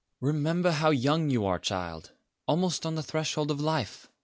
Remember how young you are, child! Almost on the threshold of life.